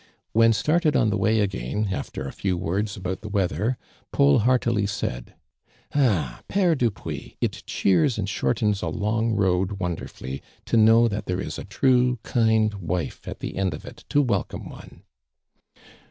When started on the way again, after a few words about the weather, Paul heartily said :" .'\h, pere Dupuis, it cheers and shortens a long road wonderfully, to know that there is a true, kinA wife at the end of it to welcome one."